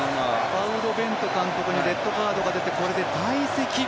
パウロ・ベント監督にレッドカードが出てこれで退席。